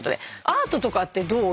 アートとかってどう？